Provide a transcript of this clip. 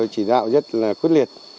chỉ đạo rất là quyết liệt